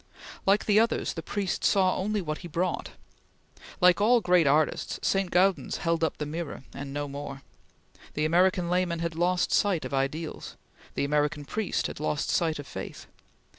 Like the others, the priest saw only what he brought. Like all great artists, St. Gaudens held up the mirror and no more. The American layman had lost sight of ideals; the American priest had lost sight of faith.